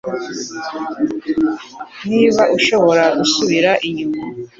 Niba ushobora gusubira inyuma